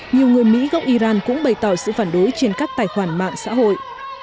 nhiều người mỹ gốc iran cũng bày tỏ sự phản đối trên các tài khoản mạng xã hội